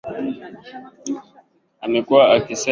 amekuwa akisema wakati wote kwa hiyo gazeti moja la hispania